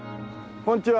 こんにちは。